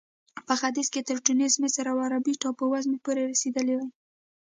په ختیځ کې تر ټونس، مصر او عربي ټاپو وزمې پورې رسېدلې وې.